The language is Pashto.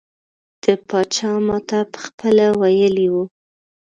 د پاچا ماته پخپله ویلي وو.